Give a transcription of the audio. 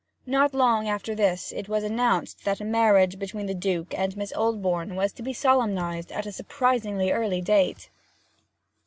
Not long after this it was announced that a marriage between the Duke and Miss Oldbourne was to be solemnized at a surprisingly early date.